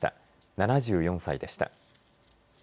７４歳でした。